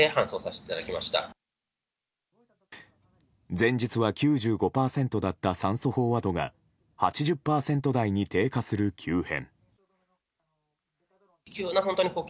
前日は９５％だった酸素飽和度が８０％台に低下する急変。